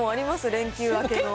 連休明けの。